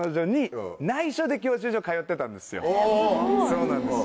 そうなんです。